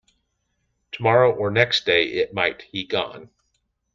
Tomorrow or next day it might he gone.